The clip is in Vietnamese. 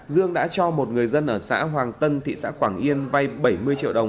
dương đã cho một người dân ở xã hoàng tân thị xã quảng yên vay bảy mươi triệu đồng